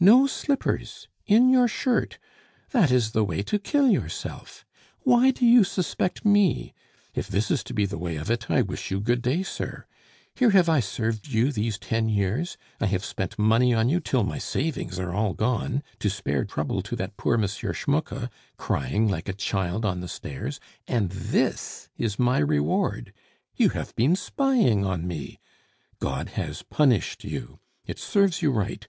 "No slippers! In your shirt! That is the way to kill yourself! Why do you suspect me? If this is to be the way of it, I wish you good day, sir. Here have I served you these ten years, I have spent money on you till my savings are all gone, to spare trouble to that poor M. Schmucke, crying like a child on the stairs and this is my reward! You have been spying on me. God has punished you! It serves you right!